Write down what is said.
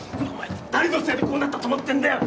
誰のせいでこうなったと思ってんだよ！